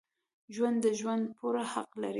ژوندي د ژوند پوره حق لري